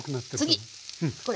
次これ。